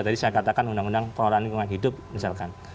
tadi saya katakan undang undang pengelolaan lingkungan hidup misalkan